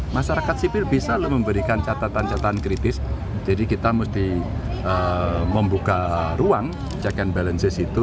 masyarakat sipil bisa memberikan catatan catatan kritis jadi kita mesti membuka ruang check and balances itu